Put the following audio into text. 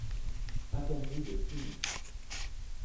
Interdit de fumer.